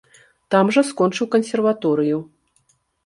Там жа скончыў кансерваторыю.